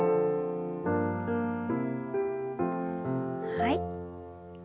はい。